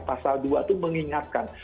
pasal dua itu mengingatkan